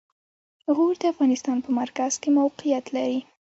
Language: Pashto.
غور د افغانستان په مرکز کې موقعیت لري.